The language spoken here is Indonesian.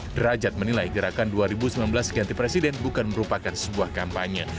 derajat menilai gerakan dua ribu sembilan belas ganti presiden bukan merupakan sebuah kampanye